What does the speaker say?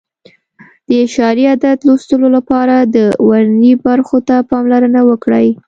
د اعشاري عدد لوستلو لپاره د ورنیې برخو ته پاملرنه وکړئ.